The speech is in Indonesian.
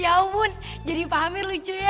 ya ampun jadi pak amir lucu ya